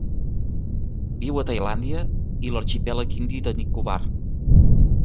Viu a Tailàndia i l'arxipèlag indi de Nicobar.